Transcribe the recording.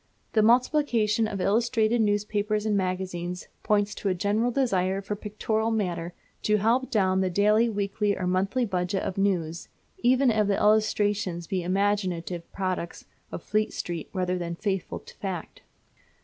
The multiplication of illustrated newspapers and magazines points to a general desire for pictorial matter to help down the daily, weekly, or monthly budget of news, even if the illustrations be imaginative products of Fleet Street rather than faithful to fact.